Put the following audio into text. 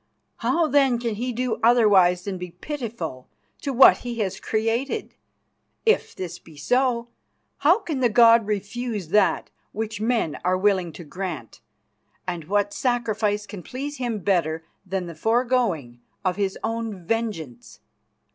How, then, can he do otherwise than be pitiful to what he has created? If this be so, how can the god refuse that which men are willing to grant, and what sacrifice can please him better than the foregoing of his own vengeance?